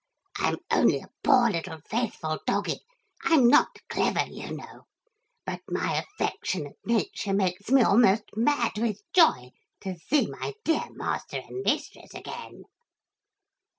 I'm only a poor little faithful doggy; I'm not clever, you know, but my affectionate nature makes me almost mad with joy to see my dear master and mistress again.'